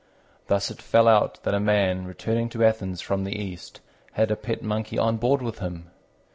Thus it fell out that a man returning to Athens from the East had a pet Monkey on board with him.